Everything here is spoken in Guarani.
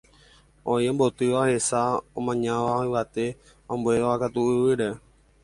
Oĩ ombotýva hesa, omañáva yvate, ambuévakatu yvýre.